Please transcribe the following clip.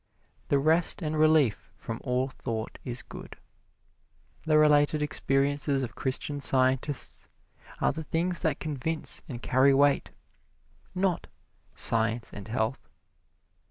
The rest and relief from all thought is good. The related experiences of Christian Scientists are the things that convince and carry weight, not "Science and Health."